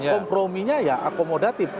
komprominya ya akomodatif